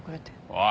おい！